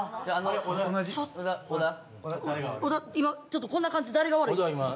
今ちょっとこんな感じ誰が悪い？